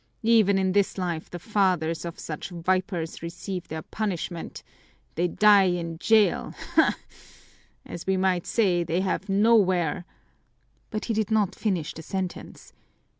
Even in this life the fathers of such vipers receive their punishment, they die in jail ha, ha! As we might say, they have nowhere " But he did not finish the sentence.